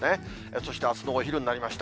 そしてあすのお昼になりました。